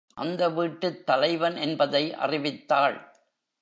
அந்த வீட்டுத் தலைவன் என்பதை அறிவித்தாள்.